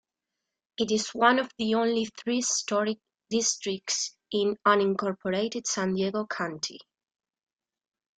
It is one of only three historic districts in unincorporated San Diego County.